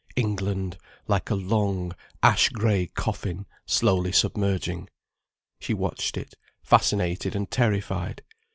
England, like a long, ash grey coffin slowly submerging. She watched it, fascinated and terrified.